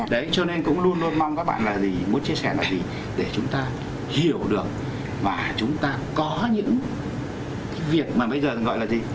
đấy cho nên cũng luôn luôn mong các bạn là gì muốn chia sẻ này để chúng ta hiểu được và chúng ta có những việc mà bây giờ gọi là gì